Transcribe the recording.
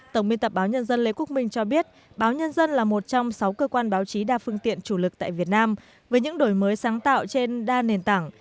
tổng biên tập báo nhân dân lê quốc minh cho biết báo nhân dân là một trong sáu cơ quan báo chí đa phương tiện chủ lực tại việt nam với những đổi mới sáng tạo trên đa nền tảng